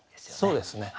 そうですね。